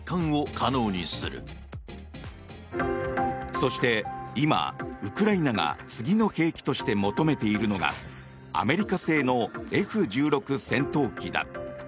そして今、ウクライナが次の兵器として求めているのがアメリカ製のＦ１６戦闘機だ。